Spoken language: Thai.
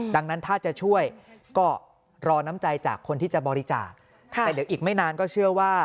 ดังนั้นถ้าจะช่วยก็รอน้ำใจจากคนที่จะบริจาคแต่เดี๋ยวอีกไม่นานก็เชื่อว่า